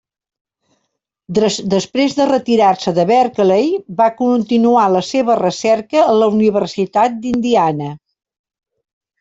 Després de retirar-se de Berkeley, va continuar la seva recerca a la Universitat d'Indiana.